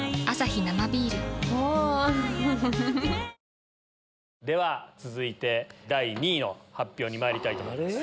ニトリでは続いて第２位の発表にまいりたいと思います。